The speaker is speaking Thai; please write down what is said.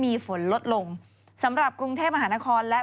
พี่ชอบแซงไหลทางอะเนาะ